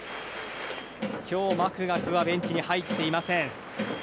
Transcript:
今日マクガフはベンチに入っていません。